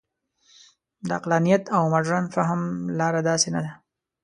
د عقلانیت او مډرن فهم لاره داسې نه ده.